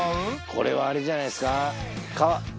これはあれじゃないですか？